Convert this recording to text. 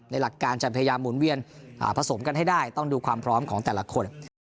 หลักการจะพยายามหมุนเวียนผสมกันให้ได้ต้องดูความพร้อมของแต่ละคน